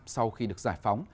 sau khi được giải phóng